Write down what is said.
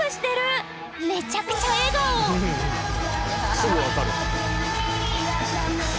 すぐ分かる。